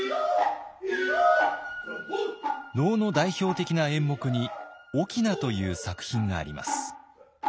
能の代表的な演目に「翁」という作品があります。